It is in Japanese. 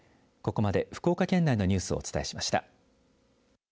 ここまで福岡県内のニュースをお伝えしました。